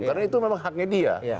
karena itu memang haknya dia